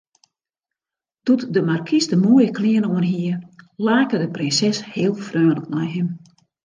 Doe't de markys de moaie klean oanhie, lake de prinses heel freonlik nei him.